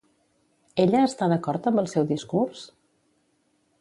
Ella està d'acord amb el seu discurs?